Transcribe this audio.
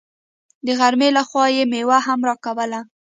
د غرمې له خوا يې مېوه هم راکوله.